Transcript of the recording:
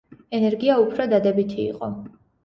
ენერგია უფრო დადებითი იყო.